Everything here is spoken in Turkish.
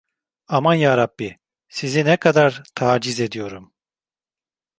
Aman Yarabbi, sizi ne kadar taciz ediyorum…